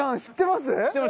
知ってます。